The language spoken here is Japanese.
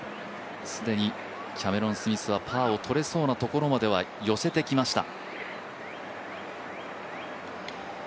既にキャメロン・スミスはパーを取れそうなところまでは寄せてきました。